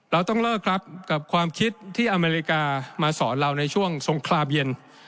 เราต้องเลิกครับกับความคิดที่อเมริกามาสอนเราในช่วงสงคราบเย็น